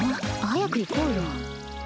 早く行こうよ。